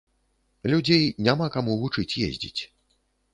Людзей няма каму вучыць ездзіць.